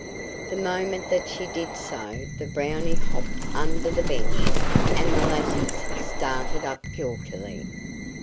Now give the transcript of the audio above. The moment that she did so the Brownie hopped under the bench and the lassies started up guiltily.